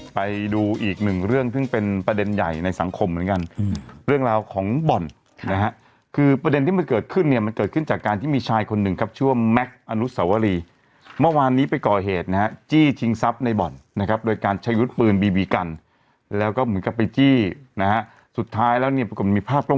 ไปดูอีกหนึ่งเรื่องซึ่งเป็นประเด็นใหญ่ในสังคมเหมือนกันเรื่องราวของบ่อนนะฮะคือประเด็นที่มันเกิดขึ้นเนี่ยมันเกิดขึ้นจากการที่มีชายคนหนึ่งครับชื่อว่าแม็กซ์อนุสวรีเมื่อวานนี้ไปก่อเหตุนะฮะจี้ชิงทรัพย์ในบ่อนนะครับโดยการใช้วุฒิปืนบีบีกันแล้วก็เหมือนกับไปจี้นะฮะสุดท้ายแล้วเนี่ยปรากฏมีภาพก